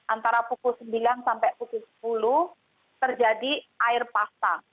antara pukul sembilan sampai pukul sepuluh terjadi air pasang